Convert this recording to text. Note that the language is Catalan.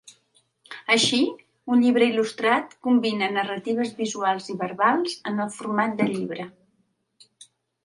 Així, un llibre il·lustrat combina narratives visuals i verbals en el format de llibre.